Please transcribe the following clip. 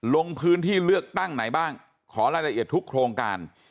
ลงพื้นที่เลือกตั้งไหนบ้างขอรายละเอียดทุกโครงการ